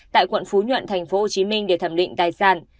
tại quận phú nhuận tp hcm để thẩm định tài sản